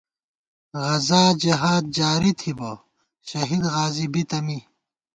غزا جہاد جاری تھِبہ ، شہید غازی بِتہ می